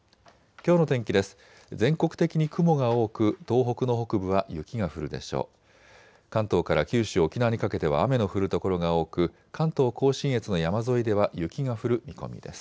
きょうの天気です。